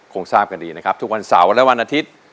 ทราบกันดีนะครับทุกวันเสาร์และวันอาทิตย์